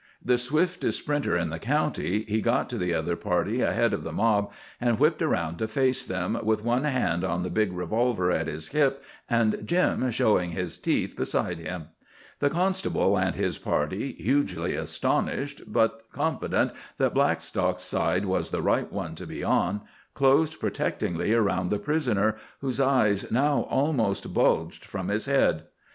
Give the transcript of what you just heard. The swiftest sprinter in the county, he got to the other party ahead of the mob and whipped around to face them, with one hand on the big revolver at his hip and Jim showing his teeth beside him. The constable and his party, hugely astonished, but confident that Blackstock's side was the right one to be on, closed protectingly around the prisoner, whose eyes now almost bulged from his head.